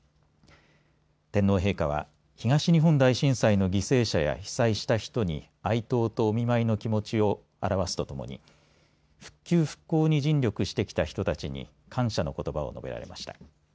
天皇陛下は東日本大震災の犠牲者や被災した人に哀悼とお見舞いの気持ちを表すとともに復旧・復興に尽力してきた人たちに感謝のことばを述べられました。